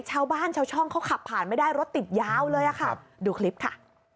ชาวบ้านชาวช่องเขาขับผ่านไม่ได้รถติดยาวเลยค่ะดูคลิปค่ะ